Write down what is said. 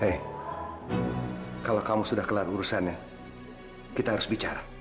eh kalau kamu sudah kelar urusannya kita harus bicara